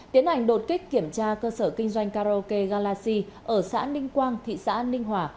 tiến hành đột kích kiểm tra cơ sở kinh doanh karaoke galaxy ở xã ninh quang thị xã ninh hòa